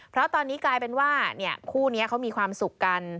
เพราะตอนนี้กลายเป็นว่าคู่นี้เขามีความสุขกัน